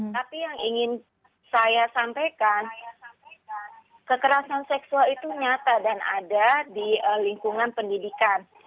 tapi yang ingin saya sampaikan kekerasan seksual itu nyata dan ada di lingkungan pendidikan